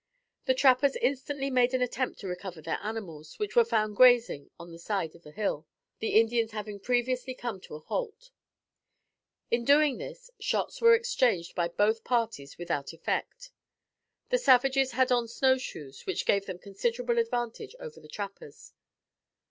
The trappers instantly made an attempt to recover their animals which were found grazing on the side of a hill, the Indians having previously come to a halt. In doing this, shots were exchanged by both parties without effect. The savages had on snow shoes which gave them considerable advantage over the trappers.